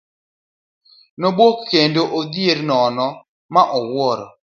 Nobuok kendo odhier nono ma owuoro.